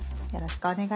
お願いします。